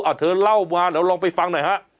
อะเธอเล่ามาแล้วลองไปฟังหน่อยฮะ